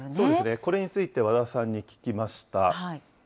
これについて和田さんに聞きました。